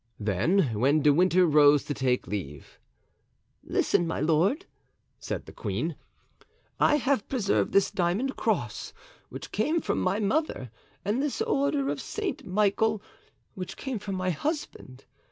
Then, when De Winter rose to take leave: "Listen, my lord," said the queen; "I have preserved this diamond cross which came from my mother, and this order of St. Michael which came from my husband.